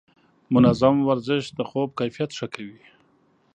منظم ورزش د خوب کیفیت ښه کوي.